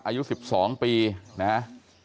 อายุ๑๒ปีนะฮะ